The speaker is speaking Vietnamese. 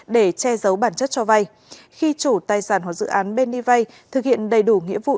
để che giấu bản chất cho vay khi chủ tài sản hoặc dự án bên đi vay thực hiện đầy đủ nghĩa vụ